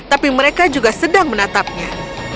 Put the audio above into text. tapi mereka juga sedang menatapnya